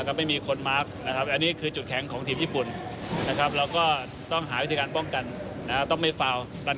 วัดศรีนาวงศ์เกิดสตาร์ทขาดขณะแข่งขัน